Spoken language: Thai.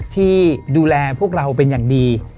ที่ดูแลพวกเราเป็นอย่างดี